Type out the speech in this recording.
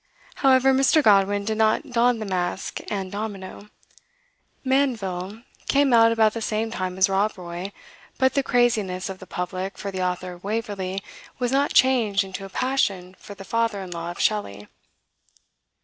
'" However, Mr. Godwin did not don the mask and domino. "Mandeville" came out about the same time as "Rob Roy;" but the "craziness of the public" for the Author of "Waverley" was not changed into a passion for the father in law of Shelley.